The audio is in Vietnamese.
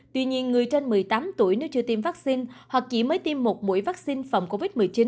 tuy nhiên người trên một mươi tám tuổi nếu chưa tiêm vaccine hoặc chỉ mới tiêm một mũi vaccine phòng covid một mươi chín